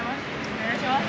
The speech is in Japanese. お願いします。